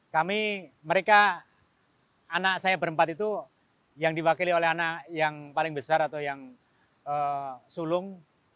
kami mereka anak saya berempat itu yang diwakili oleh anak yang paling besar atau yang sulung